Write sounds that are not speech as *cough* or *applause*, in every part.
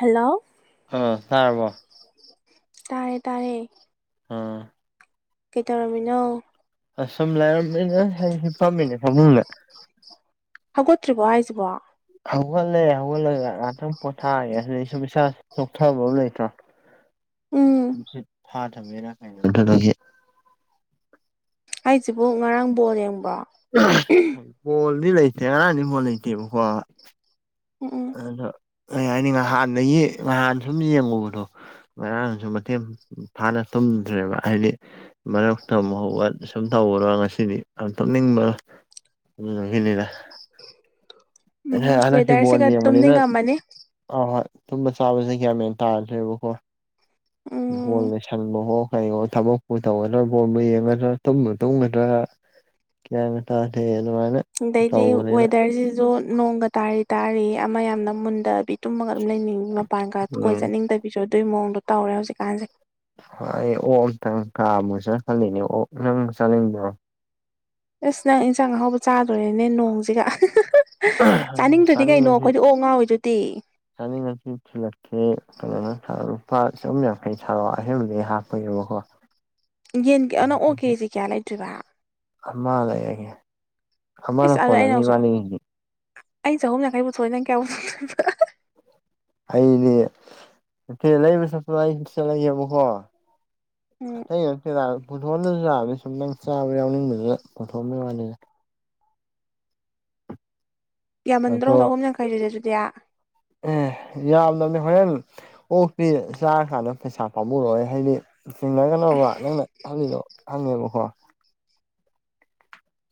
hello ꯑꯥ ꯇꯥꯔꯕꯣ ꯇꯥꯔꯦ ꯇꯥꯔꯦ ꯑꯥ ꯀꯩꯇꯧꯔꯝꯃꯤꯅꯣ ꯑꯁꯨꯝ ꯂꯩꯥꯏꯔꯝꯃꯤꯅ ꯍꯥꯏ ꯐꯥꯝꯃꯤꯅꯦ ꯐꯅꯤꯡꯅ ꯍꯧꯒꯠꯇ꯭ꯔꯤꯕꯣ ꯍꯥꯏꯁꯤꯕꯣ ꯍꯧꯒꯠꯂꯛꯦ ꯍꯧꯒꯠꯂꯛ ꯉꯍꯥꯛꯇꯪ ꯄꯣꯊꯥꯑꯒꯦ ꯑꯗꯨꯗ ꯑꯩꯁꯨ ꯄꯩꯁꯥ ꯆꯣꯛꯊꯕ ꯂꯩꯇ꯭ꯔꯣ *inaudible* ꯎꯝ ꯊꯥ ꯊꯝꯃꯦꯔ ꯀꯩꯅꯣꯝ ꯇꯒꯦ ꯑꯩꯁꯤꯕꯨ ꯉꯔꯥꯡ ꯕꯣꯜ ꯌꯦꯡꯕ꯭ꯔꯣ ꯕꯣꯜꯗꯤ ꯂꯩꯇꯦ ꯑꯔꯥꯡꯅꯤ ꯐꯣꯜ ꯂꯩꯇꯦꯕꯀꯣ ꯎꯝ ꯎꯝ ꯑꯗꯣ ꯀꯩ ꯍꯥꯏꯅꯤ ꯍꯥꯟꯗꯒꯤ ꯅꯍꯥꯟ ꯁꯨꯝ ꯌꯦꯡꯉꯨꯕꯗꯣ ꯃꯔꯥꯡꯅꯁꯨ ꯃꯇꯦꯡ ꯐꯥꯅ ꯊꯨꯝꯗ꯭ꯔꯦꯕ ꯍꯥꯏꯗꯤ ꯃꯔꯛ ꯊꯧꯕ ꯁꯨꯝ ꯇꯧꯕꯔꯣ ꯉꯁꯤꯅꯤ ꯌꯥꯝ ꯇꯛꯅꯤꯡꯕ ꯑꯗꯨꯪ ꯍꯅꯤꯗ ꯍ ꯎꯝ ꯍꯅꯣ ꯋꯦꯗꯔꯁꯤꯒ ꯁꯤꯕꯣꯗ ꯃꯅꯤꯅ ꯇꯨꯝꯅꯤꯡꯉꯝꯃꯅꯤ ꯑ ꯍꯣꯏ ꯇꯨꯝꯕ ꯆꯥꯕꯁꯦ ꯀꯌꯥꯝꯃꯦꯟ ꯇꯥꯗ꯭ꯔꯦꯕꯀꯣ ꯎꯝ ꯕꯂ ꯁꯟꯕꯍꯣ ꯀꯩꯍꯣ ꯊꯕꯛꯄꯨ ꯇꯧꯒꯗ꯭ꯔꯥ ꯕꯣꯠꯕꯨ ꯌꯦꯡꯒꯗ꯭ꯔꯥ ꯇꯨꯝꯕ ꯇꯨꯝꯒꯗ꯭ꯔꯥ ꯇꯗ ꯑꯗꯨꯅ ꯑꯗꯩꯗꯤ ꯋꯦꯗꯔꯁꯤꯁꯨ ꯅꯣꯡ ꯇꯥꯔꯤ ꯇꯥꯔꯤ ꯑꯃ ꯌꯥꯝꯅ ꯃꯨꯟꯗꯕꯤ ꯇꯨꯝꯃꯒ ꯑꯗꯨꯝ ꯂꯩꯅꯤꯡ ꯃꯄꯥꯟꯒ ꯀꯣꯏ ꯎꯝ ꯆꯠꯅꯤꯡꯗꯕꯤ ꯄꯕꯤꯔ ꯑꯗꯨꯏ ꯃꯑꯣꯡꯣ ꯇꯧꯔꯦ ꯍꯧꯖꯤꯛꯀꯥꯟꯁꯦ ꯍꯣꯏ ꯑꯩ ꯑꯣꯛ ꯑꯝꯇꯪ ꯊꯥ ꯑꯃꯨꯛ ꯆꯠ ꯈꯜꯂꯤꯅꯦ ꯑꯣꯛ ꯅꯪ ꯆꯥꯅꯤꯡꯕꯣ ꯑꯁ ꯅꯪ ꯏꯟꯁꯥꯡ ꯑꯍꯥꯎꯕ ꯆꯥꯗꯣꯔꯦꯅꯦ ꯅꯣꯡꯁꯤꯒ ꯆꯥꯅꯤꯡꯗꯨꯗꯤ ꯀꯩꯅꯣ ꯑꯩꯈꯣꯏꯗꯤ ꯑꯣꯛ ꯉꯥꯎꯋꯤꯗꯨꯗꯤ ꯆꯥꯅꯤꯡꯉꯥꯁꯤ ꯊꯤꯜꯂꯛꯀꯦ ꯀꯩꯅꯣꯅꯔ ꯂꯨꯄꯥ ꯆꯍꯨꯝ ꯌꯥꯡꯈꯩ ꯁꯥꯔꯣ ꯑꯍꯦꯟꯕꯗꯒꯤ ꯍꯥꯞꯄꯒꯤꯕꯀꯣ ꯌꯦꯟꯅꯪ ꯑꯣ ꯀꯦꯖꯤ ꯀꯌꯥ ꯂꯩꯇ꯭ꯣꯏꯔꯤꯕ ꯃꯥ ꯂꯩꯌꯦꯒꯦ ꯏꯁ ꯑꯗꯣ ꯑꯩꯅꯁꯨꯛ ꯑꯩꯩꯅ ꯆꯍꯨꯝ ꯌꯥꯡꯈꯩ ꯄꯨꯊꯣꯛꯏ ꯅꯪ ꯀꯌꯥ ꯄꯨꯊꯣꯛꯇ *unintelligible* ꯑꯩꯅꯦ ꯏꯦ ꯂꯩꯕ ꯆꯠꯄ ꯑꯩ ꯆꯠꯂꯒꯦꯕꯀꯣ ꯎꯝ ꯑꯇꯩꯒꯤ ꯅꯠꯇꯦꯗ ꯄꯨꯊꯣꯛꯍꯜꯗ꯭ꯔꯁꯨ ꯌꯥꯕꯅꯦ ꯁꯨꯝ ꯅꯪ ꯆꯥꯕ ꯌꯥꯎꯅꯤꯡꯕꯗꯨꯗ ꯄꯨꯊꯣꯛꯍꯜꯕ ꯋꯥꯅꯤꯗ ꯌꯥꯝꯃꯟꯗ꯭ꯔꯣ ꯑꯗꯣ ꯆꯍꯨꯝ ꯌꯥꯡꯈꯩꯗꯨꯗꯤ ꯑꯗꯨꯗꯤ ꯑꯦ ꯌꯥꯝꯗꯕꯅꯤ ꯍꯣꯔꯦꯟ ꯑꯣꯛꯇꯤ ꯆꯥꯔꯀꯥꯟꯗ ꯄꯩꯁꯥ ꯄꯥꯝꯃꯔꯣꯏ ꯍꯥꯏꯗꯤ ꯆꯦꯡꯅ ꯀꯩꯅꯣꯕ ꯅꯪꯅ ꯍꯖꯤꯗꯣ ꯍꯪꯅꯦꯕꯣ ꯍꯣ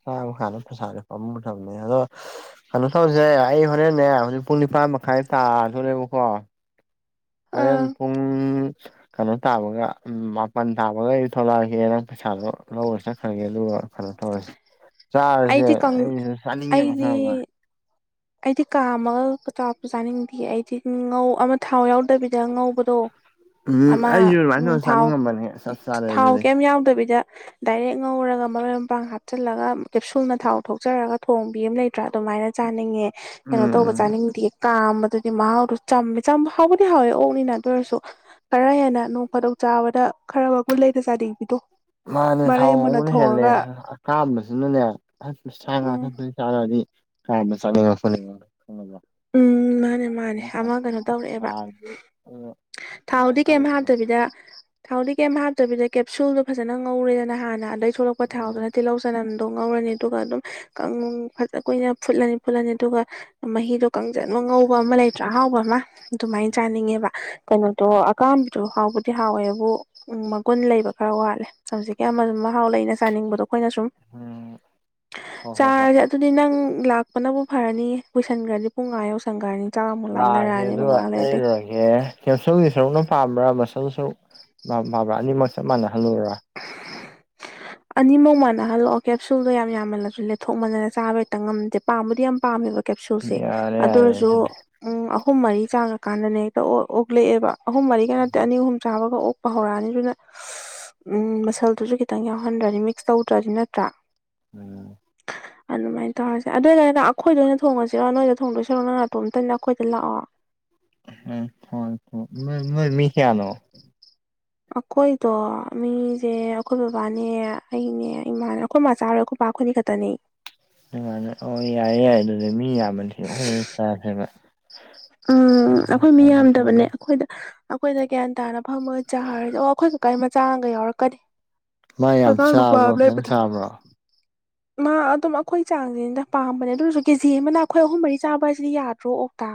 ꯁꯥꯕ ꯀꯥꯟꯅ ꯄꯩꯁꯥꯖꯦ ꯄꯥꯃꯨꯗꯕꯅꯦ ꯑꯗꯣ ꯁ ꯀꯩꯅꯣ ꯇꯧꯔꯤꯁꯦ ꯑꯩ ꯍꯣꯔꯦꯟꯅꯦ ꯍꯧꯖꯤꯛ ꯄꯨꯡ ꯅꯤꯄꯥꯟ ꯃꯈꯥꯏ ꯇꯥꯗꯅꯦꯕꯀꯣ ꯍꯣꯔꯦꯜ ꯑꯥ ꯄꯨꯡ ꯀꯩꯅꯣ ꯇꯥꯕꯒ ꯃꯥꯄꯜ ꯇꯥꯕꯒ ꯑꯩ ꯊꯣꯛꯂꯛꯑꯒꯦ ꯅꯪ ꯄꯩꯁꯥꯗꯣ ꯂꯧꯔ ꯆꯠꯈ꯭ꯔꯒꯦ ꯑꯗꯨꯒ ꯈꯩꯅꯣ ꯇꯧꯔꯁꯤ ꯆꯥꯔꯁꯦ ꯑꯩꯗꯤ ꯀꯪ ꯑꯩꯁꯨ ꯆꯥꯅꯤꯡꯉꯦ ꯑꯩꯗꯤ ꯃꯈꯥ ꯑꯃ ꯑꯩꯗꯤ ꯀꯥ ꯑꯃꯒꯆꯥꯥ ꯆꯥꯅꯤꯡꯗꯦ ꯑꯩꯗꯤ ꯉꯧ ꯑꯃ ꯊꯥꯎ ꯌꯥꯎꯗꯕꯤꯗ ꯉꯧꯕꯗꯣ ꯎꯝ ꯑꯃ ꯑꯩꯁꯨ ꯑꯗꯨꯃꯥꯏꯅ ꯎꯝ ꯇꯧꯔ ꯊꯥꯎ ꯆꯥꯅꯤꯡꯉꯝꯕꯅꯦ ꯆꯞ ꯆꯥꯔꯦ ꯊꯥꯎ ꯑꯗꯨꯗꯤ ꯀꯩꯝ ꯌꯥꯎꯗꯕꯤꯗ ꯗꯥꯏꯔꯦꯛ ꯉꯧꯔꯒ ꯃꯔꯣꯏ ꯃꯄꯥꯡ ꯍꯥꯞꯆꯤꯜꯂꯒ ꯀꯦꯞꯁꯨꯜꯅ ꯊꯥꯎ ꯊꯣꯛꯆꯔꯒ ꯊꯣꯡꯕꯤ ꯑꯃ ꯂꯩꯇ꯭ꯔꯥ ꯑꯗꯨꯃꯥꯏꯅ ꯆꯥꯅꯤꯡꯉꯦ ꯀꯩꯅꯣ ꯎꯝ ꯇꯧꯕ ꯎꯝ ꯆꯥꯅꯤꯡꯗꯦ ꯀꯥꯝꯕꯗꯨꯗꯤ ꯃꯍꯥꯎꯗꯨ ꯆꯃꯦ ꯆ ꯍꯥꯎꯕꯗꯤ ꯍꯥꯎꯋꯦ ꯑꯣꯛꯅꯤꯅ ꯑꯗꯨ ꯑꯣꯏꯔꯁꯨ ꯈꯔ ꯍꯦꯟꯅ ꯅꯣꯡ ꯐꯗꯧ ꯆꯥꯕꯗ ꯈꯔ ꯃꯒꯨꯟ ꯂꯩꯅ ꯆꯥꯗꯡꯕꯤꯗꯣ ꯃꯥꯅꯦ ꯊꯥꯎ ꯉꯧꯕꯅ ꯍꯦꯜꯂꯦ ꯑꯀꯥꯝꯕꯁꯤꯅꯅꯦ ꯁꯥ ꯎꯝ ꯉꯣꯏ ꯆꯥꯅꯗꯤ ꯍꯥꯕ ꯆꯥꯅꯤꯡꯉ ꯐꯅꯦ ꯈꯪꯉꯕ꯭ꯔ ꯎꯝ ꯃꯥꯅꯦ ꯃꯥꯅꯦ ꯑꯃ ꯀꯩꯅꯣ ꯇꯧꯔꯛꯑꯦꯕ ꯆꯥꯔꯗꯤ ꯑꯗꯨ ꯑꯗꯨꯃꯥꯏꯅ ꯊꯥꯎꯗꯤ ꯀꯩꯝ ꯇꯧꯕꯅꯦ ꯍꯥꯞꯇꯕꯤ ꯁꯤꯗ ꯊꯥꯎꯗꯤ ꯀꯩꯝ ꯍꯥꯞꯇꯕꯤꯗ ꯀꯦꯞꯁꯨꯜꯗꯣ ꯐꯖꯅ ꯉꯧꯔꯦꯗꯅ ꯍꯥꯟꯅ ꯑꯗꯒꯤ ꯊꯣꯛꯂꯛꯄ ꯎꯝ ꯊꯥꯎꯗꯨꯅ ꯇꯤꯜꯍꯧ ꯆꯅꯝꯗꯣ ꯉꯧꯔꯅꯤ ꯑꯗꯨꯒ ꯑꯗꯨꯝ ꯐꯖ ꯀꯨꯏꯅ ꯐꯨꯠꯂꯅꯤ ꯐꯨꯠꯂꯅꯤ ꯑꯗꯨꯒ ꯃꯍꯤꯗꯣ ꯀꯥꯡꯖꯜꯃꯨꯛ ꯉꯧꯕ ꯑꯃ ꯂꯩꯇ꯭ꯔꯥ ꯑꯍꯥꯎꯕ ꯑꯃ ꯑꯗꯨꯃꯥꯏꯅ ꯆꯥꯅꯤꯡꯉꯦꯕ ꯀꯩꯅꯣꯗꯣ ꯑꯀꯥꯝꯕꯗꯣ ꯍꯥꯎꯕꯗꯤ ꯍꯥꯎꯋꯦꯕꯨ ꯎꯝ ꯃꯒꯨꯟ ꯂꯩꯕ ꯈꯔ ꯋꯥꯠꯂꯦ ꯍꯧꯖꯤꯛꯀꯤ ꯑꯃ ꯃꯍꯥꯎ ꯂꯩꯅ ꯆꯥꯅꯤꯡꯕꯗꯣ ꯑꯩꯈꯣꯏꯅ ꯁꯨꯝ ꯎꯝ ꯍꯣꯏ ꯍꯣꯏ ꯍꯣꯏ ꯆꯥꯔꯁꯦ ꯑꯗꯨꯗꯤ ꯅꯪ ꯂꯥꯛꯄꯅꯕꯨ ꯐꯔꯅꯤ ꯀꯨꯁꯤꯟꯈ꯭ꯔꯗꯤ ꯄꯨꯡ ꯑꯥ ꯌꯧꯁꯤꯟꯒ꯭ꯔꯥꯅꯤ ꯂꯥꯛꯑꯒꯦ ꯑꯗꯨꯒ ꯂꯩꯔꯨꯔꯒꯦ ꯀꯦꯞꯁꯨꯜꯒꯤ ꯁꯔꯨꯛꯅ ꯄꯥꯕ꯭ꯔꯥ ꯕꯁꯜ ꯁꯔꯨꯛ ꯄꯥꯕ꯭ꯔꯥ ꯑꯅꯤꯃꯛ ꯆꯞ ꯃꯥꯟꯅꯍꯜꯂꯨꯔꯥ ꯑꯅꯤꯃꯛꯧ ꯃꯥꯟꯅꯍꯜꯂꯛꯑꯣ ꯀꯦꯞꯁꯨꯜꯗꯣ ꯌꯥꯝꯃꯜꯂꯁꯨ ꯂꯦꯊꯣꯛ ꯃꯥꯟꯅ ꯆꯥꯕ ꯍꯦꯛꯇ ꯉꯝꯗꯦ ꯄꯥꯝꯕꯕꯨꯗꯤ ꯌꯥꯝ ꯄꯥꯝꯃꯦꯕ ꯀꯦꯞꯁꯨꯜꯁꯦ ꯌꯥꯔꯦ ꯑꯗꯨ ꯌꯥꯔꯦ ꯑꯣꯏꯔꯁꯨ ꯑꯗꯨꯗꯤ ꯎꯝ ꯑꯍꯨꯝ ꯃꯔꯤ ꯆꯥꯉꯀꯥꯟꯗꯅꯦ ꯍꯦꯛꯇ ꯑꯣꯛꯂꯛꯑꯦꯕ ꯑꯍꯨꯝ ꯃꯔꯤꯒ ꯅꯠꯇꯦ ꯑꯅꯤ ꯑꯍꯨꯝ ꯆꯥꯕꯒ ꯑꯣꯛ ꯍꯧꯔꯛꯑꯅꯤ ꯑꯗꯨꯅ ꯎꯝ ꯃꯁꯜꯗꯨꯁꯨ ꯈꯤꯇꯪ ꯌꯥꯎꯍꯟꯗ꯭ꯔꯅꯤ ꯃꯤꯛꯁ ꯇꯧꯗ꯭ꯔꯗꯤ ꯅꯠꯇ꯭ꯔꯥ ꯎꯝ ꯑꯗꯨꯃꯥꯏꯅ ꯇꯧꯔꯁꯦ ꯑꯗꯨꯏ ꯅꯔꯗ ꯑꯩꯈꯣꯏꯗ ꯑꯣꯏꯅ ꯊꯣꯡꯉꯁꯤꯔꯣ ꯅꯣꯏꯗ ꯊꯣꯡꯗꯣꯏꯁꯤꯔꯣ ꯅꯪ ꯉꯇꯣꯝꯇꯅꯦ ꯑꯩꯈꯣꯏꯗ ꯂꯥꯛꯑꯣ ꯍꯣꯏ ꯅꯣꯏ ꯃꯤ ꯀꯌꯥꯅꯣ ꯑꯩꯈꯣꯏꯗꯣ ꯃꯤꯁꯦ ꯑꯩꯈꯣꯏ ꯕꯕꯥꯅꯦ ꯑꯩꯅꯦ ꯏꯃꯥꯅꯦ ꯑꯩꯈꯣꯏ ꯃꯥ ꯆꯥꯔꯣꯏ ꯑꯩꯈ ꯄꯥ ꯈꯣꯅꯤ ꯈꯇꯅꯦ ꯅꯨꯡꯉꯥꯏ ꯑꯣ ꯌꯥꯏꯦ ꯌꯥꯏ ꯑꯗꯨꯗꯤ ꯃꯤ ꯌꯥꯝꯕꯗꯤꯁꯨ ꯐꯖꯅ ꯆꯈ꯭ꯔꯦꯕ ꯎꯝ ꯑꯩꯈꯣꯏ ꯃꯤ ꯌꯥꯝꯗꯕꯅꯦ ꯑꯩꯈꯣꯏꯗ ꯑꯩꯈꯣꯏꯗ ꯒ꯭ꯌꯥꯟ ꯇꯥꯅꯕ ꯐꯝꯃ ꯆꯥꯔꯁꯦ ꯑꯣ ꯑꯩꯈꯣꯏ ꯀꯀꯥꯏ ꯃꯆꯥ ꯑꯃꯒ ꯌꯥꯎꯔꯛꯀꯅꯤ ꯃꯥ ꯌꯥꯝ ꯑꯉꯥꯡ ꯅꯨꯄ ꯆꯥꯕ꯭ꯔꯣ ꯑꯃ ꯈꯤꯇꯪ ꯂꯩꯕꯗꯣ ꯆꯥꯕ꯭ꯔꯣ ꯃꯥ ꯑꯗꯨꯝ ꯑꯩꯈꯣꯏ ꯆꯥꯡꯅꯤꯗ ꯄꯥꯝꯕꯅꯦ ꯑꯗꯨ ꯑꯣꯏꯁꯨ ꯀꯦ ꯖꯤ ꯑꯃꯅ ꯑꯩꯈꯣꯏ ꯑꯍꯨꯝ ꯃꯔꯤ ꯆꯥꯕ ꯍꯥꯏꯁꯤꯗꯤ ꯌꯥꯗ꯭ꯔꯣ ꯑꯣꯛꯇ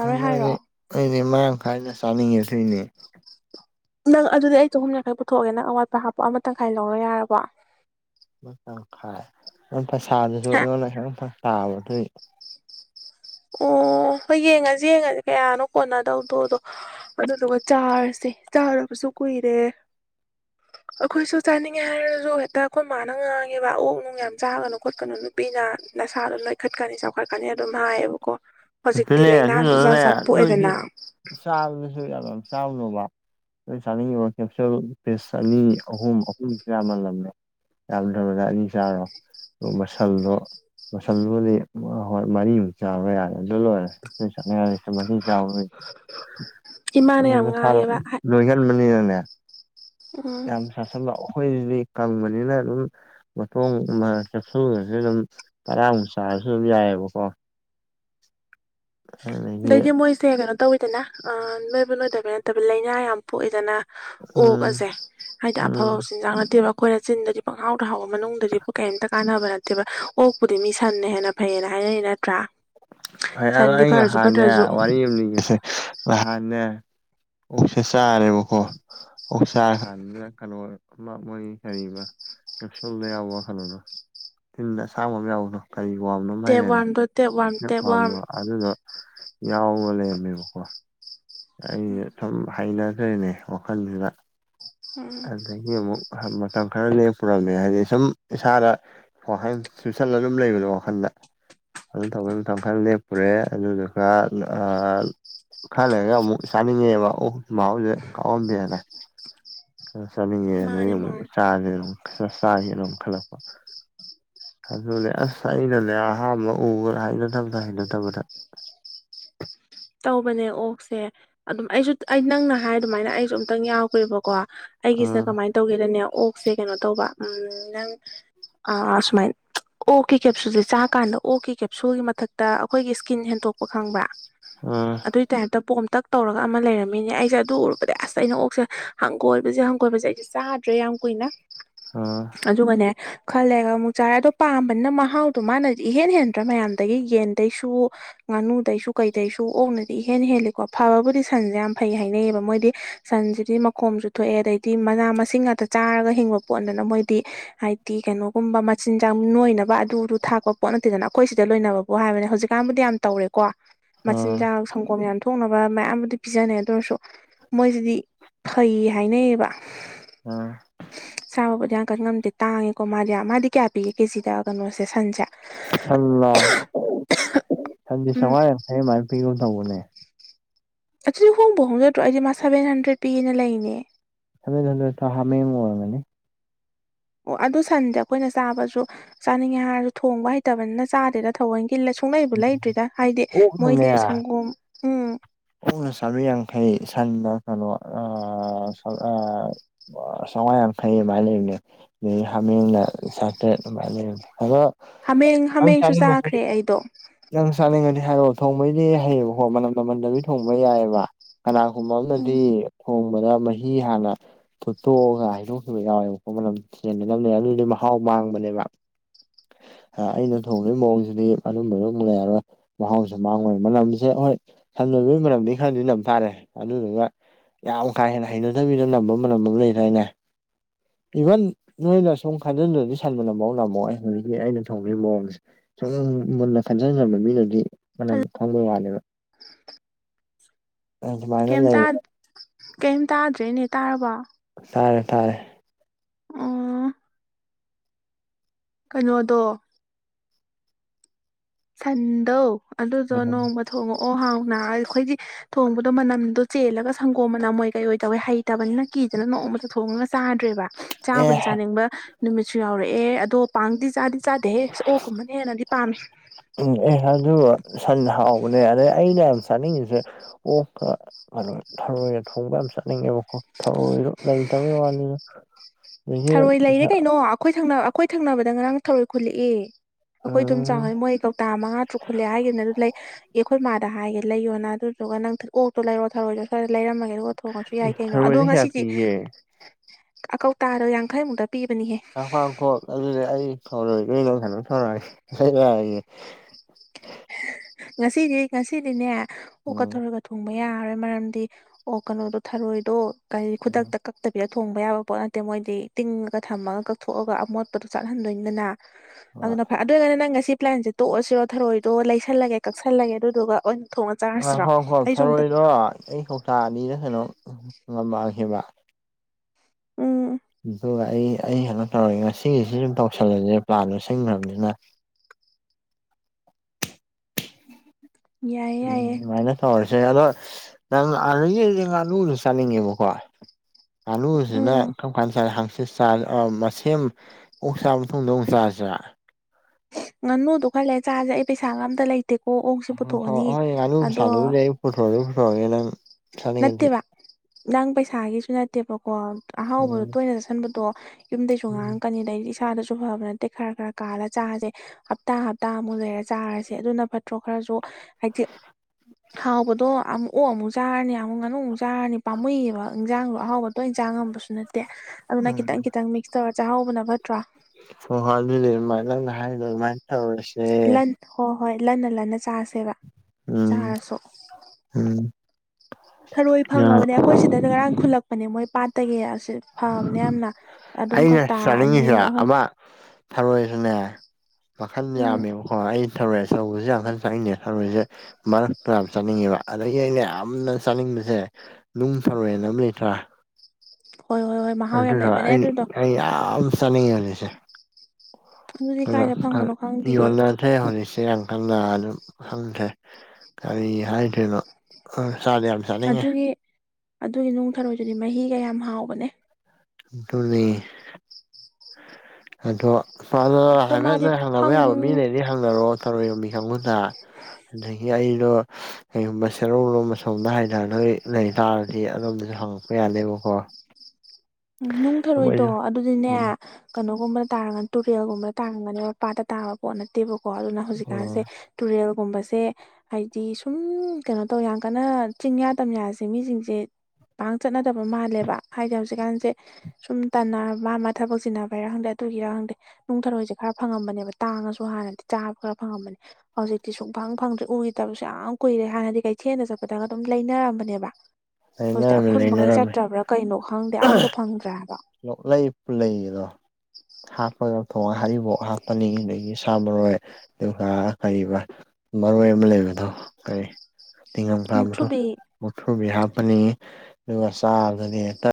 ꯑꯗꯨꯗꯤ ꯑꯩꯗꯤ ꯃꯔꯥꯡ ꯀꯥꯏꯅ ꯆꯥꯅꯤꯡꯉꯦ ꯁꯨꯏꯅꯦ ꯅꯪ ꯑꯗꯨꯗꯤ ꯑꯩ ꯆꯍꯨꯝ ꯌꯥꯡꯈꯩ ꯄꯨꯊꯣꯛꯑꯒꯦ ꯅꯪ ꯑꯋꯥꯠꯄ ꯍꯥꯞꯄ ꯑꯃ ꯇꯪꯈꯥꯏ ꯂꯧꯔꯣ ꯌꯥꯔꯕꯣ ꯈꯥꯏ ꯄꯩꯁꯥꯗꯨꯁꯨ ꯑꯩꯉꯣꯜꯗ ꯈꯤꯇꯡ ꯐꯔꯛ ꯇꯥꯕ ꯑꯗꯨꯏ ꯑꯣ ꯍꯣꯏ ꯌꯦꯡꯉꯁꯤ ꯌꯦꯡꯉꯁꯤ ꯀꯌꯥꯅꯣ ꯀꯣꯟꯅꯗꯧꯗꯣ ꯑꯗꯣ ꯑꯗꯨꯗꯨꯒ ꯆꯥꯔꯁꯦ ꯆꯥꯗꯕꯁꯨ ꯀꯨꯏꯔꯦ ꯑꯩꯈꯣꯏꯁꯨ ꯆꯥꯅꯤꯡꯉꯦ ꯍꯥꯏꯔꯁꯨ ꯍꯦꯛꯇ ꯑꯩꯈꯣꯏ ꯃꯥꯅ ꯉꯥꯡꯉꯦꯕ ꯑꯣꯛ ꯅꯨꯡ ꯌꯥꯝ ꯆꯥꯒꯅꯨ ꯈꯣꯠꯀꯅꯨ ꯅꯨꯄꯤꯅ ꯅꯁꯥꯗꯣ ꯅꯣꯏꯈꯠꯀꯅꯤ ꯆꯥꯎꯈꯠꯀꯅꯤ ꯑꯗꯨꯝ ꯍꯥꯏꯌꯦꯕꯀꯣ ꯍꯧꯖꯤꯛꯇꯤ ꯑꯗꯨꯅꯦ ꯂꯥꯏꯅꯥꯁꯨ ꯖꯥꯠ ꯖꯠ ꯄꯣꯛꯑꯦꯗꯅ ꯆꯕꯗꯨꯁꯨ ꯌꯥꯝ ꯌꯥꯝ ꯆꯅꯣꯕ ꯅꯣꯏ ꯆꯥꯅꯤꯡꯉꯤꯕ ꯀꯦꯞꯁꯦꯜ ꯄꯤꯁ ꯑꯅꯤ ꯑꯍꯨꯝ ꯑꯍꯨꯝꯁꯨ ꯌꯥꯃꯜꯂꯝꯃꯦ ꯌꯥꯝꯗꯔꯕꯗ ꯑꯅꯤ ꯆꯥꯔꯣ ꯑꯗꯨ ꯃꯁꯜꯗꯣ ꯃꯁꯜꯗꯨꯕꯨꯗꯤ ꯍꯣꯏ ꯃꯔꯤꯃꯨꯛ ꯆꯥꯕ ꯌꯥꯔꯦ ꯑꯗꯨ ꯑꯣꯏꯔꯦ *unintelligible* ꯂꯣꯏꯔꯦ ꯆ ꯏꯃꯥꯅ ꯌꯥꯝ ꯆꯥꯎ ꯑꯗꯨ ꯉꯥꯡꯉꯦꯕ ꯍꯥꯏ ꯅꯣꯏ ꯍꯦꯜ ꯃꯅꯤꯅꯦ ꯎꯝ ꯌꯥꯝ ꯁꯥꯁꯟ ꯂꯣ ꯑꯩꯈꯣꯏꯁꯤꯗꯤ ꯀꯪꯕꯅꯤꯅ ꯑꯗꯨꯝ ꯃꯇꯣꯡ ꯑꯃ ꯀꯦꯞꯁꯣꯟ ꯑꯗꯨꯝ ꯇꯔꯥꯃꯨꯛ ꯆꯥꯔꯁꯨ ꯑꯗꯨꯝ ꯌꯥꯏꯑꯕꯀꯣ ꯑꯗꯒꯤ ꯑꯩꯗꯤ ꯃꯣꯏꯁꯦ ꯀꯩꯅꯣ ꯇꯧꯋꯤꯗꯅ ꯑ ꯅꯣꯏꯕ ꯅꯣꯏꯗꯕꯩ ꯅꯠꯇꯕ ꯂꯥꯏꯅꯥ ꯌꯥꯝ ꯄꯣꯛꯏꯗꯅ ꯑꯣꯛ ꯎꯝ ꯑꯁꯦ ꯍꯥꯏꯗꯤ ꯎꯝ ꯑꯐꯕ ꯆꯤꯟꯖꯥꯛ ꯅꯠꯇꯦꯕ ꯑꯩꯈꯣꯏꯅ ꯆꯤꯟꯗꯗꯤ ꯄꯪꯍꯥꯎꯗ ꯍꯥꯎꯕ ꯃꯅꯨꯡꯗꯗꯤꯕꯨ ꯀꯩꯝꯇ ꯀꯥꯟꯅꯕ ꯅꯠꯇꯦꯕ ꯑꯣꯛꯄꯨꯗꯤ ꯃꯤ ꯁꯟꯅ ꯍꯦꯟꯅ ꯐꯩꯌꯦꯅ ꯍꯥꯏꯅꯔꯤ ꯅꯠꯇ꯭ꯔꯥ ꯐꯩ ꯑꯗꯣ ꯁꯟꯗꯤ ꯑꯩ ꯐꯔꯁꯨ ꯉꯦꯍꯥꯟꯅꯦ ꯐꯠꯇ꯭ꯔꯁꯨ ꯋꯥꯔꯤ ꯑꯃꯂꯤꯒꯦ ꯁꯦ ꯅꯍꯥꯟꯅꯦ ꯑꯣꯛꯁꯦ ꯆꯥꯔꯦꯕꯀꯣ ꯑꯣꯛ ꯆꯥꯔ ꯀꯥꯟꯗꯅ ꯀꯩꯅꯣ ꯑꯃꯥ ꯃꯣꯏꯒꯤ‌ ꯀꯩꯕ ꯀꯦꯁꯣꯟꯗ ꯌꯥꯎꯕ ꯀꯩꯅꯗꯣ ꯇ ꯗꯑꯃ ꯁꯛꯕ ꯑꯃ ꯌꯥꯎꯗꯣ ꯀꯔꯤ ꯋꯣꯝꯅꯝ ꯇ ꯋꯥꯟꯗꯣ ꯇ ꯋꯥꯟ ꯋꯥꯟꯗꯣ ꯑꯗꯨꯗ ꯌꯥꯎꯕ ꯂꯩꯔꯝꯃꯦꯕꯀꯣ ꯑꯩꯁ ꯎꯝ ꯁꯨꯝ ꯍꯥꯏꯅꯈ꯭ꯔꯦꯅꯦ ꯋꯥꯈꯜꯁꯤꯗ ꯎꯝ ꯑꯗꯨꯗꯒꯤ ꯑꯃꯨꯛ ꯃꯇꯝ ꯈꯔ ꯂꯦꯞꯂꯩꯒꯔꯦ ꯍꯥꯏꯗꯤ ꯁꯨꯝ ꯏꯁꯥꯗ ꯋꯥꯈꯟ ꯆꯨꯞꯁꯜ ꯑꯗꯨꯝ ꯂꯩꯕꯗꯣ ꯋꯥꯈꯜꯗ ꯑꯗꯨ ꯇꯧꯕ ꯃꯇꯝ ꯈꯔ ꯂꯦꯛꯞꯄꯨꯔꯦ ꯑꯗꯨꯗꯨꯒ ꯉꯔ ꯑ ꯈꯔ ꯂꯩꯔꯒ ꯑꯃꯨꯛ ꯆꯥꯅꯤꯡꯉꯦꯕ ꯑꯣꯛꯀꯤ ꯃꯍꯥꯎꯁꯦ ꯀꯥꯎꯉꯝꯗꯦꯅ ꯑꯗꯨ ꯆꯥꯅꯤꯡꯉꯦ ꯑꯗꯩ ꯃꯥꯅꯦ ꯑꯃꯨꯛ ꯃꯥꯅꯦ ꯆꯥꯥꯁꯦ ꯑꯗꯨ ꯈꯔ ꯆꯥꯏꯒꯦꯅ ꯑꯃ ꯈꯜꯂꯛꯄ ꯑꯗꯨꯅꯦ ꯑꯁ ꯑꯩꯅꯅꯦ ꯑꯍꯥꯟꯕ ꯎꯕꯗ ꯍꯥꯏꯅꯕꯗ ꯍꯩꯅꯠꯇꯕꯗ ꯇꯧꯕꯅꯦ ꯑꯣꯛꯁꯦ ꯑꯗꯨꯝ ꯑꯩꯁꯨ ꯑꯩ ꯅꯪꯅ ꯍꯥꯏ ꯑꯗꯨꯃꯥꯏꯅ ꯑꯩꯁꯨ ꯑꯝꯇꯪ ꯌꯥꯎꯈ꯭ꯔꯦꯕꯀꯣ ꯑꯩꯒꯤꯁꯤꯅ ꯎꯝ ꯀꯃꯥꯏ ꯇꯧꯒꯦꯗꯅꯦ ꯑꯣꯛꯁꯦ ꯀꯩꯅꯣ ꯇꯧꯕ ꯅꯪ ꯁꯨꯃꯥꯏ ꯑꯣꯛꯀꯤ ꯀꯦꯞꯁꯨꯜꯁꯦ ꯆꯥ ꯀꯥꯟꯗ ꯑꯣꯛꯀꯤ ꯀꯦꯞꯁꯨꯜꯒꯤ ꯃꯊꯛꯇ ꯑꯩꯈꯣꯏꯒꯤ ꯏꯁꯀꯤꯟ ꯍꯦꯟꯗꯣꯛꯄ ꯈꯪꯕ꯭ꯔꯥ ꯎꯝ ꯑꯗꯨꯏ ꯇ ꯄꯣꯛꯇ ꯇꯧꯔꯒ ꯑꯃ ꯂꯩꯔꯝꯃꯤꯅꯦ ꯑꯩꯁꯦ ꯑꯗꯨ ꯎꯔꯨꯕꯗꯩ ꯑꯁ ꯑꯩꯅ ꯑꯣꯛꯁꯦ ꯍꯪꯒꯣꯏꯕꯁꯦ ꯍꯪꯒꯣꯏꯕꯁꯦ ꯑꯩꯁꯦ ꯆꯥꯗ꯭ꯔꯦ ꯌꯥꯝ ꯀꯨꯏꯅ ꯎꯝ ꯑꯗꯨꯒꯅ ꯦ ꯈꯜꯂꯦꯒ ꯑꯃꯨꯛ ꯆꯥꯔꯦ ꯑꯗꯣ ꯄꯥꯝꯕꯅꯤꯅ ꯃꯍꯥꯎꯗꯣ ꯃꯥꯅ ꯏꯍꯦꯟ ꯍꯦꯟꯗ꯭ꯔ ꯃꯌꯥꯝꯗꯒꯤ ꯌꯦꯟꯗꯩꯁꯨ ꯉꯥꯅꯨꯗꯩꯁꯨ ꯀꯩꯗꯩꯁꯨ ꯑꯣꯛꯅꯗꯤ ꯏꯍꯦꯟ ꯍꯦꯜꯂꯤꯀꯣ ꯐꯕꯕꯨꯗꯤ ꯁꯟꯁꯦ ꯌꯥꯝ ꯐꯩ ꯍꯥꯏꯅꯩꯌꯦꯕ ꯃꯣꯏꯗꯤ ꯁꯟꯁꯤꯗꯤ ꯃꯈꯣꯝꯁꯨ ꯊꯣꯛꯑꯦ ꯑꯗꯩꯗꯤ ꯃꯅꯥ ꯃꯁꯤꯡ ꯉꯥꯛꯇ ꯆꯥꯔꯒ ꯍꯤꯡꯕ ꯄꯣꯠꯅꯤꯗꯅ ꯃꯣꯏꯗꯤ ꯍꯥꯏꯗꯤ ꯀꯩꯅꯣꯒꯨꯝꯕ ꯃꯆꯤꯟꯖꯥꯛ ꯅꯣꯏꯅꯕ ꯑꯗꯨꯗꯨ ꯊꯥꯛꯄ ꯄꯣꯠ ꯅꯠꯇꯦꯗꯅ ꯑꯩꯈꯣꯏ ꯁꯤꯗ ꯂꯣꯏꯅꯕ ꯑꯣ ꯍꯥꯏꯕꯅꯦ ꯍꯧꯖꯤꯛꯀꯥꯟꯕꯨꯗꯤ ꯌꯥꯝ ꯇꯧꯔꯦꯀꯣ ꯎꯝ ꯃꯆꯤꯟꯖꯥꯛ ꯁꯪꯒꯣꯝ ꯌꯥꯝ ꯊꯣꯛ ꯊꯣꯛꯅꯕ ꯃꯌꯥꯝꯕꯨꯗꯤ ꯄꯤꯖꯅꯩ ꯑꯗꯨ ꯑꯣꯏꯔꯁꯨ ꯃꯣꯏꯁꯤꯗꯤ ꯐꯩ ꯍꯥꯏꯅꯩꯑꯌꯦꯕ ꯎꯝ ꯆꯥꯕꯕꯨꯗꯤ ꯌꯥꯝ ꯀꯟ ꯉꯝꯗꯦ ꯇꯥꯡꯉꯦꯀꯣ ꯃꯥꯗꯤ ꯀꯌꯥ ꯄꯤꯒꯦ ꯀꯦꯖꯤꯗ ꯀꯩꯅꯣꯁꯦ ꯁꯟꯁꯦ ꯁꯟꯂ ꯁꯟꯗꯤ ꯎꯝ ꯆꯥꯝꯃꯉꯥ ꯌꯥꯡꯈꯩ ꯑꯗꯨꯃꯥꯏꯅ ꯄꯤꯒꯨꯝ ꯇꯧꯕꯅꯦ ꯑꯗꯨꯗꯤ ꯍꯣꯡꯕꯨ ꯍꯣꯡꯖꯗ꯭ꯔꯣ ꯑꯩꯗꯤ ꯃꯥ ꯁꯚꯦꯟ ꯍꯟꯗ꯭ꯔꯦꯗ ꯄꯤꯅ ꯂꯩꯅꯦ ꯁꯚꯦꯟ ꯍꯟꯗꯔꯦꯇ ꯍꯥꯃꯦ ꯑꯣꯏꯔꯝꯒꯅꯤ ꯑꯣ ꯑꯗꯨ ꯁꯟꯗꯤ ꯑꯩꯈꯣꯏꯅ ꯆꯥꯕꯁꯨ ꯆꯥꯅꯤꯡꯉꯦ ꯍꯥꯏꯔꯁꯨ ꯊꯣꯡꯕ ꯍꯩꯇꯕꯅꯤꯅ ꯆꯥꯗꯦꯗ ꯊꯑꯣꯏ ꯍꯤꯜꯂ ꯁꯨꯡꯂꯩꯕꯨ ꯂꯩꯇ꯭ꯔꯤꯗ ꯍꯥꯏꯗꯤ ꯑꯣꯛꯅꯅꯦ ꯃꯣꯏꯗꯤ ꯁꯪꯒꯣꯝ ꯎꯝ ꯑꯣꯛꯅ ꯆꯥꯝꯃꯔꯤ ꯌꯥꯈꯩ ꯁꯥꯟꯅ ꯀꯩꯅ ꯑꯥ ꯑꯥ ꯆꯉꯥ ꯌꯥꯈꯩ ꯃꯥꯥꯏ ꯂꯩꯅꯦ ꯑꯗꯗꯒꯤ ꯍꯥꯃꯦꯡꯅ ꯁꯥꯇ꯭ꯔꯦꯠ ꯑꯗꯨꯝ ꯍꯥꯏꯅꯕꯅ ꯦ ꯈꯔꯣ ꯍꯥꯃꯦꯡ ꯍꯥꯃꯦꯡꯁꯨ ꯆꯥꯈ꯭ꯔꯦ ꯑꯩꯗꯣ ꯆꯪ ꯆꯥꯅꯤꯡꯉꯗꯤ ꯍꯥꯏꯔꯛꯑꯣ ꯊꯣꯡꯕꯩꯗꯤ ꯍꯩꯌꯦꯕꯀꯣ ꯃꯅꯝ ꯃꯃꯟꯗꯕꯤ ꯊꯣꯡꯕ ꯌꯥꯏꯑꯕ ꯀꯅꯥꯒꯨꯝꯕ ꯎꯝ ꯑꯃꯝꯅꯗꯤ ꯊꯣꯡꯕꯗ ꯃꯍꯤ ꯍꯥꯟꯅ ꯐꯣꯠꯇꯣꯛꯑꯒ ꯍꯥꯏꯗꯣꯛꯈꯤꯕ ꯌꯥꯎꯋꯦꯕ ꯈꯣꯠꯄꯅ ꯆꯦꯟꯟꯅ ꯂꯝꯅꯦ ꯑꯗꯨꯗꯤ ꯃꯍꯥꯎ ꯃꯥꯡꯕꯅꯦꯕ ꯑ ꯑꯩꯅ ꯊꯣꯡꯕꯒꯤ ꯃꯑꯣꯡꯁꯤꯗꯤ ꯑꯗꯨꯝꯕꯗꯨ ꯑꯃꯨꯛ ꯂꯩ ꯌꯥꯔꯔꯣꯏ ꯃꯍꯥꯎꯁꯨ ꯃꯥꯡꯉꯣꯏ ꯃꯅꯁꯦ ꯍꯣꯏ ꯁꯝꯖꯅꯕꯒꯤ ꯃꯔꯝꯗꯤ ꯈꯔꯗꯤ ꯂꯝ ꯇꯥꯔꯦ ꯑꯗꯨꯗꯨꯒ ꯌꯥꯝ ꯀꯥ ꯍꯦꯟꯅ ꯍꯩꯅꯗꯕꯤꯗ ꯅꯝꯕ ꯃꯅꯝ ꯑꯃ ꯂꯩꯗ ꯍꯥꯏꯅꯦ ꯏꯚꯟ ꯅꯣꯏꯅ ꯁꯨꯝ ꯈꯟꯖꯤꯟꯗꯗꯤ ꯁꯟꯕꯅ ꯃꯑꯣꯡ ꯉꯝꯃꯧ ꯑꯩ ꯍꯧꯖꯤꯛꯀꯤ ꯑꯩꯅ ꯊꯣꯡꯕꯒꯤ ꯃꯑꯣꯡꯁꯦ ꯁꯨꯝ ꯃꯨꯟꯅ ꯈꯟꯖꯟꯖꯕ ꯃꯤꯗꯨꯗꯤ ꯃꯅꯝ ꯈꯪꯕꯩ ꯋꯥꯂꯦꯕ *unintelligible* ꯑꯗꯨꯃꯥꯏꯅ ꯂꯩꯔꯦ ꯀꯩ ꯀꯩꯝ ꯇꯥꯗ꯭ꯔꯦꯅꯦ ꯇꯥꯔꯕꯣ ꯇꯥꯔꯦ ꯇꯥꯏꯔꯦ ꯑꯣ ꯀꯩꯅꯣꯗꯣ ꯁꯟꯗꯧ ꯑꯗꯨꯗꯣ ꯅꯣꯡꯃ ꯊꯣꯡꯉꯛꯑꯣ ꯍꯥꯎꯅ ꯑꯩꯈꯣꯏꯒꯤ ꯊꯣꯡꯕꯗꯣ ꯃꯅꯝꯗꯣ ꯆꯦꯜꯂꯒ ꯁꯪꯒꯣꯝ ꯃꯅꯝ ꯑꯣꯏꯣꯏ ꯀꯩ ꯑꯣꯏ ꯇꯧꯋꯦ ꯍꯩꯇꯕꯅꯤꯅ ꯀꯤꯗꯅ ꯅꯣꯡꯃꯗ ꯊꯣꯡꯉꯒ ꯆꯥꯗ꯭ꯔꯦꯕ ꯑꯦ ꯆꯥꯕꯨꯗꯤ ꯆꯥꯅꯤꯡꯕ ꯅꯨꯃꯤꯠꯁꯨ ꯌꯥꯎꯔꯛꯑꯦ ꯑꯗꯣ ꯄꯥꯡꯗꯤ ꯆꯥꯗꯤ ꯆꯥꯗꯦꯍꯦ ꯑꯣꯒꯨꯝꯕꯅ ꯍꯦꯟꯅꯗꯤ ꯄꯥꯝꯃꯦ ꯎꯝ ꯑꯦ ꯑꯗꯨ ꯁꯟ ꯍꯥꯎꯕꯅꯦ ꯑꯗꯩ ꯑꯩꯅ ꯌꯥꯝ ꯆꯥꯅꯤꯡꯉꯤꯁꯦ ꯑꯣ ꯑꯗꯨ ꯊꯔꯣꯏꯅ ꯊꯣꯡꯕ ꯌꯥꯝ ꯆꯠꯅꯤꯡꯉꯦꯕꯀꯣ ꯊꯔꯣꯏꯗꯣ ꯂꯩꯇꯕꯩ ꯋꯥꯅꯤꯗ ꯑꯗꯒꯤ ꯊꯔꯣꯏ ꯂꯩꯔꯦ ꯀꯩꯅꯣ ꯑꯩꯈꯣꯏ ꯑꯩꯈꯣꯏ ꯊꯪꯅꯕꯗ ꯉꯔꯥꯡ ꯊꯔꯣꯏ ꯈꯨꯜꯂꯛꯏꯦ ꯑꯩꯈꯣꯏ ꯑꯗꯨꯝ ꯆꯥꯎꯋ‌ꯦ ꯃꯣꯏ ꯀꯧꯇꯥ ꯃꯉꯥ ꯇꯔꯨꯛ ꯈꯨꯜꯂꯦ ꯍꯥꯏꯒꯤꯝꯅ‌ꯦ ꯑꯗꯨ ꯂꯩ ꯑꯩ ꯈꯣꯏ ꯃꯥꯗ ꯍꯥꯏꯒꯦ ꯂꯩꯌꯣꯅ ꯑꯗꯨꯗꯨꯒ ꯅꯪ ꯊ ꯑꯣꯛꯇꯣ ꯂꯩꯔꯣ ꯊꯔꯣꯏꯗ‌ꯣ ꯁ꯭ꯋꯥꯏꯗ ꯂꯩꯔꯝꯃꯒꯦ ꯑꯗꯨꯒ ꯊꯣꯡꯉꯁꯨ ꯌꯥꯏ ꯀꯩꯅꯣ ꯑꯗꯣ ꯊꯔꯣꯏꯁꯦ ꯀꯌꯥ ꯉꯁꯤꯗꯤ ꯄꯤꯒꯦ ꯑ ꯀꯧꯇꯥꯗꯣ ꯌꯥꯡꯈꯩꯃꯨꯛꯇ ꯄꯤꯕꯅꯤꯍꯦ ꯉꯥꯏꯈ‌ꯣ ꯉꯥꯏꯈ‌ꯣꯛ ꯑꯗꯨꯗꯤ ꯑꯩ *unintelligible* *inaudible* ꯉꯁꯤꯗꯤ ꯉꯁꯤꯔꯤꯅꯦ ꯑꯣ ꯎꯝ ꯀꯊꯔ ꯀ ꯊꯨꯡꯕ ꯌꯥꯔꯣꯏ ꯃꯔꯝꯗꯤ ꯑꯣ ꯀꯩꯅꯣꯗꯣ ꯊꯔꯣꯏꯗꯣ ꯀꯔꯤ ꯎꯝ ꯈꯨꯗꯛꯇ ꯀꯛꯇꯕꯤꯗ ꯊꯣꯡꯕ ꯌꯥꯕ ꯄꯣꯠ ꯅꯠꯇꯦ ꯃꯣꯏꯗꯤ ꯇꯤꯡꯉꯒ ꯊꯝꯃꯒ ꯀꯛꯊꯣꯛꯑꯒ ꯑꯃꯣꯠꯄꯗꯨꯣ ꯆꯠꯍꯟꯗꯣꯏꯅꯤꯅ ꯎꯝ ꯑꯗꯨꯅ ꯐꯔ ꯑꯗꯨ ꯑꯣꯏꯔꯒꯅ ꯅꯪ ꯉꯁꯤ ꯄ꯭ꯂꯥꯟꯁꯦ ꯇꯣꯛꯑꯁꯤꯔꯣ ꯊꯔꯣꯏꯗꯣ ꯂꯩꯁꯜꯂꯒꯦ ꯀꯛꯁꯜꯂꯒꯦ ꯑꯗꯨꯗꯨꯒ ꯊꯣꯡꯉ ꯑ ꯆꯥꯔꯁꯤꯔꯣ ꯍꯣꯏ ꯍꯣꯏ ꯑꯩꯁꯨ ꯑꯃꯨꯛꯇ ꯊꯔꯣꯏꯗꯣ ꯑꯩ ꯀꯧꯇꯥ ꯑꯅꯤꯗ ꯀꯩꯅꯣ ꯉꯝꯃꯥꯡꯈꯤꯕꯕ ꯎꯝ ꯑꯗꯨꯒ ꯑꯩ ꯑꯩ ꯀꯩꯅꯣ ꯇꯧꯋ‌ꯦ ꯉꯁꯤꯒꯤꯁꯤ ꯁꯨꯝ ꯇꯧꯁꯜꯂꯁꯦ ꯄ꯭ꯂꯥꯟꯗꯣ ꯁꯤꯟꯈ꯭ꯔꯝꯅꯤꯅ ꯌꯥꯏꯌꯦ ꯎꯝ ꯌꯥꯏꯌꯦ ꯑꯗꯨꯃꯥꯏꯅ ꯇꯧꯔꯁꯦ ꯑꯗꯣ ꯅꯪ ꯑꯥꯗꯒꯤꯗꯤ ꯉꯥꯅꯨꯗ‌ꯣ ꯆꯠꯅꯤꯡꯉꯦꯕꯀꯣ ꯉꯥꯅꯨꯁꯤꯅ ꯎꯝ ꯀꯝ ꯀꯥꯟ ꯆꯥꯏ ꯍꯪ ꯆꯥ ꯃꯁꯦꯝ ꯑꯣꯛ ꯆꯥꯕ ꯃꯐꯝꯗ ꯑꯃꯨꯛ ꯆꯥꯁꯤꯔꯥ ꯉꯥꯅꯨꯗꯣ ꯈꯔ ꯂꯩꯔ ꯆꯥꯁꯦ ꯑꯩ ꯄꯩꯁꯥꯒ ꯑꯝꯇ ꯂꯩꯇꯦꯀꯣ ꯑꯣꯛꯁꯦ ꯄꯨꯊꯣꯛꯑꯅꯤ ꯑꯗꯣ ꯄꯨꯊ‌ꯣꯛꯑ *unintelligible* ꯄꯨꯊ‌ꯣꯛꯑꯒꯦ ꯅꯪ *unintelligible* ꯆꯥꯅꯤꯡꯉꯗꯤ ꯅꯠꯇꯦꯕ ꯅꯪ ꯄꯩꯁꯥꯒꯤꯁꯨ ꯅꯠꯇꯦꯕꯀꯣ ꯑꯍꯥꯎꯕꯗꯣ ꯎꯝ ꯇꯣꯏꯅ ꯆꯠꯁꯤꯟꯕꯗꯣ ꯌꯨꯝꯗꯩꯁꯨ ꯉꯥꯡꯉꯛꯀꯅꯤ ꯗꯩꯗꯤ ꯏꯁ ꯁꯥꯗꯁꯨ ꯐꯕ ꯅꯠꯇꯦ ꯈꯔ ꯈꯔ ꯀꯥꯜꯂ ꯆꯥꯖꯦ ꯍꯞꯇꯥ ꯍꯞꯇꯥ ꯑꯃꯨꯛ ꯂꯩꯔ ꯆꯥꯔꯁꯦ ꯑꯗꯨꯅ ꯐꯠꯇ꯭ꯔꯣ ꯈꯔꯁꯨ ꯍꯥꯏꯗꯤ ꯍꯥꯎꯕꯗꯣ ꯑꯃꯨꯛ ꯑꯣꯛ ꯑꯃꯨꯛ ꯆꯥꯔꯅꯤ ꯌꯥꯝ ꯑꯃꯨꯛ ꯉꯥꯅꯨ ꯃꯨꯛ ꯆꯥꯔꯅꯤ ꯄꯥꯝꯃꯨꯏꯑ‌ꯦꯕ ꯏꯟꯖꯥꯡꯗꯣ ꯑꯍꯥꯎꯕ ꯇꯣꯏꯟ ꯆꯥ ꯉꯝꯕꯁꯨ ꯅꯠꯇꯦ ꯑꯗꯨꯅ ꯎꯝ ꯈꯤꯇꯪ ꯈꯤꯇꯪ ꯃꯤꯛꯁ ꯇꯧꯔꯒ ꯆꯥꯍꯧꯕꯅ ꯐꯠ ꯍ‌ꯣꯍꯣꯏ ꯑꯗꯨꯗꯤ ꯑꯗꯨꯃꯥꯏꯅ ꯅꯪꯅ ꯍꯥꯏꯗ‌ꯣ ꯑꯗꯨꯃꯥꯏꯅ ꯇꯧꯔꯁꯦ ꯍꯣ ꯍꯣꯏ ꯂꯟꯅ ꯂꯟꯅ ꯆꯥꯁꯦꯕ ꯎꯝ ꯆꯥꯔꯁꯨ ꯎꯝ ꯊꯔꯣꯏ ꯐꯪꯉꯕꯅꯦ ꯑꯩꯈꯣꯏ ꯁꯤꯗ ꯉꯔꯥꯡ ꯈꯨꯜꯂꯛꯄꯅꯦ ꯃꯣꯏ ꯄꯥꯠꯇꯒꯤ ꯑꯁꯤ ꯐꯕꯅꯦ ꯌꯥꯝꯅ ꯑꯗꯨꯝ ꯀꯧꯇꯥ ꯑꯅꯤ ꯑꯍꯨꯝ ꯐꯔꯣꯏꯁꯨꯅꯦ ꯃꯈꯟ ꯎꯝ ꯌꯥꯝꯃꯦꯕ ꯀꯣ ꯑꯩ ꯊꯔ‌ꯣꯏ ꯑꯆꯧꯕꯁꯦ ꯌꯥꯝ ꯀꯟ ꯆꯅꯤꯡꯗ‌ꯦ ꯊꯧꯔ‌ꯣꯏꯖ‌ꯦ ꯃꯔꯛꯇ ꯌꯥꯝ ꯆꯥꯅꯤꯡꯉꯦꯕ ꯑꯗꯒꯤ ꯑꯩꯅ ꯌꯥꯝꯅ ꯆꯥꯅꯤꯡꯕꯁꯦ ꯅꯨꯡ ꯊꯔꯣꯏꯌꯦꯅ ꯑꯃ ꯂꯩꯇ꯭ꯔꯥ ꯍꯣꯏ ꯍꯣꯏ ꯍꯣꯏ ꯃꯍꯥꯎ ꯌꯥꯝ ꯑꯗꯨꯗ‌ꯣ ꯂꯩꯕꯅꯦ ꯑꯩ ꯑꯗꯨꯗꯣ ꯑꯩ ꯌꯥꯝ ꯆꯥꯅꯤꯡꯉꯦ ꯍꯧꯖꯤꯛꯁꯦ ꯑꯗꯨꯗꯤ ꯑꯗ ꯀꯥꯏꯗ ꯑꯥ ꯐꯪꯕꯅꯣ ꯃꯤ ꯈꯪꯗꯤꯌꯦ ꯑꯣꯟꯅ ꯊ‌ꯦ ꯍꯣꯖꯤꯛꯁꯦ ꯌꯥꯝ ꯀꯟꯅ ꯑꯗꯨꯝ ꯈꯟꯗꯔ‌ꯦ ꯀꯔꯤ ꯍꯥꯏꯗꯣꯏꯅꯣ ꯑꯥ ꯆꯥꯗꯤ ꯌꯥꯝ ꯆꯥꯅꯤꯡꯉꯦ ꯑꯗꯨꯒꯤ ꯑꯗꯨꯒꯤ ꯅꯨꯡꯊꯔꯣꯏꯗꯨꯗꯤ ꯃꯍꯤꯒ ꯌꯥꯝ ꯍꯥꯎꯕꯅꯦ ꯑꯗꯨꯅ‌ꯦ ꯑꯗ‌ꯣ ꯐꯅ ꯑꯗꯣ ꯍꯥꯏꯐꯦꯠ ꯃꯥꯗꯤ ꯅ‌ꯣꯏ ꯍꯪꯅꯕ ꯐꯪ ꯌꯥꯕ ꯃꯤ ꯂꯩꯔꯗꯤ *unintelligible* ꯍꯪꯅꯔꯛꯑꯣ ꯊꯔꯣꯏ ꯌ‌ꯣꯟꯕꯤ ꯀꯥꯡꯕꯨꯨꯗ ꯑꯗꯒꯤ ꯑꯩꯗ‌ꯣ ꯀꯩꯒꯨꯝꯕ ꯁꯦꯔꯧ ꯂꯣꯝ ꯑꯁꯣꯝꯗ ꯍꯥꯏꯊꯥꯅꯕ ꯂ ꯂꯩ ꯇꯥꯔꯗꯤ ꯑꯗꯣꯝꯗꯁꯨ ꯍꯪꯉꯛꯄ ꯌꯥꯅꯦꯕꯀꯣ ꯎꯝ ꯅꯨꯡ ꯊꯔꯣꯏꯗꯣ ꯃꯣꯏꯁꯨ ꯑꯗꯨꯗꯤꯅꯦ ꯎꯝ ꯀꯩꯅꯣꯒꯨꯝꯕꯗ ꯇꯥꯔꯝꯒꯅꯤ ꯇꯨꯔꯦꯜꯒꯨꯝꯕꯗ ꯇꯥꯔꯝꯒꯅꯦꯕ ꯄꯥꯠꯇ ꯇꯥꯕ ꯄꯣꯠ ꯅꯠꯇꯦꯕꯀꯣ ꯑꯗꯨꯅ ꯍꯧꯖꯤꯛꯀꯥꯟꯁꯦ ꯑꯣ ꯇꯨꯔꯦꯜꯒꯨꯝꯕꯁꯦ ꯍꯥꯏꯗꯤ ꯁꯨꯝ ꯀꯩꯅꯣ ꯇꯧ ꯌꯥꯝ ꯀꯟꯅ ꯆꯤꯡꯌꯥ ꯇꯝꯌꯥꯁꯦ ꯃꯤꯁꯤꯡꯁꯦ ꯄꯥꯡ ꯆꯠꯅꯗꯕ ꯃꯥꯜꯂꯦꯕ ꯍꯥꯏꯗꯤ ꯍꯧꯖꯤꯛꯀꯥꯟꯁꯦ ꯁꯨꯝ ꯇꯥꯟꯅ ꯃꯥ ꯃꯥ ꯊꯕꯛ ꯆꯤꯟꯅꯕꯩꯔꯥ ꯈꯪꯗꯦ ꯑꯗꯨꯒꯤꯔ ꯈꯪꯗꯦ ꯅꯨꯡꯊꯥꯔꯣꯏꯁꯦ ꯈꯔ ꯐꯪꯉꯝꯕꯅꯦꯕ ꯇꯥꯡꯉꯁꯨ ꯍꯥꯟꯅꯗꯤ ꯆꯥꯕ ꯈꯔ ꯐꯪꯉꯝꯕꯅꯦ ꯍꯧꯖꯤꯛꯇꯤ ꯁꯨꯡꯐꯪ ꯐꯪꯗ꯭ꯔꯦ ꯎꯈꯤꯗꯕꯁꯨ ꯌꯥꯝ ꯀꯨꯏꯔꯦ ꯍꯥꯟꯅꯗꯤ ꯀꯩꯊꯦꯜꯗ ꯆꯠꯄꯗꯒ ꯑꯗꯨꯝ ꯂꯩꯅꯔꯝꯕꯅꯦꯕ ꯍꯧꯖꯤꯛꯇꯤ ꯂꯩꯅꯔꯝꯃꯦ ꯑꯈꯨꯟꯕꯈꯩ ꯂꯩꯅꯔꯝꯃꯦ ꯆꯠꯇ꯭ꯔꯕ꯭ꯔꯥ ꯀꯩꯅꯣ ꯈꯪꯗꯦ ꯑꯝꯇ ꯐꯪꯗ꯭ꯔꯦ ꯍꯥꯏꯕ ꯂꯣꯛꯂꯩ ꯄꯨꯜꯂꯩꯗꯣ ꯍꯥꯞꯄꯒ ꯊꯣꯡꯉꯒ ꯍꯔꯤꯕꯣꯛ ꯍꯥꯞꯄꯅꯤ ꯑꯗꯒꯤ ꯁꯥ ꯃꯔꯣꯏ ꯑꯗꯨꯒ ꯀꯔꯤꯕ ꯃꯔꯣꯏ ꯑꯃ ꯂꯩꯕꯗ‌ꯣ ꯀꯔꯤ ꯇꯤꯡꯈꯪ ꯄꯥꯟꯕꯗ‌ꯣ ꯃꯨꯛꯊ꯭ꯔꯨꯕꯤ ꯃꯔꯨꯛꯊ꯭ꯔꯨꯕꯤ ꯍꯥꯞꯄꯅꯤ ꯑꯗꯨꯒ ꯆꯥꯕꯗꯗꯤ ꯍꯦꯛꯇ